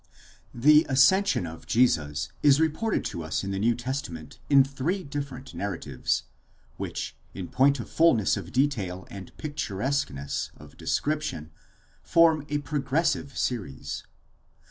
The ascension of Jesus is reported to us in the New Testament in three different narratives, which in point of fulness of detail and picturesqueness of description form a progressive series.